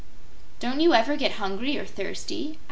"Don't you ever get hungry or thirsty?"